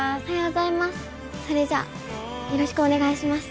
それじゃよろしくお願いします。